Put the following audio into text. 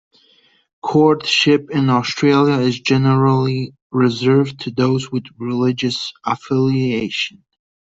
Courtship in Australia is generally reserved to those with religious affiliation.